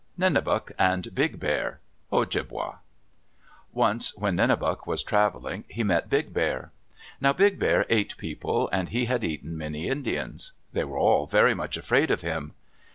NENEBUC AND BIG BEAR Ojibwa Once when Nenebuc was traveling, he met Big Bear. Now Big Bear ate people, and he had eaten many Indians. They were all very much afraid of him.